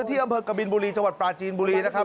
ที่อำเภอกบินบุรีจังหวัดปลาจีนบุรีนะครับ